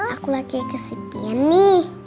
aku lagi kesepian nih